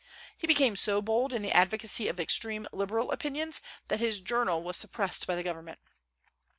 He became so bold in the advocacy of extreme liberal opinions that his journal was suppressed by government.